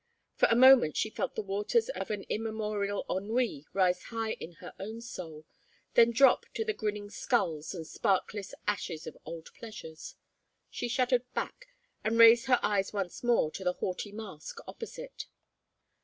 For a moment she felt the waters of an immemorial ennui rise high in her own soul, then drop to the grinning skulls and sparkless ashes of old pleasures. She shuddered back, and raised her eyes once more to the haughty mask opposite.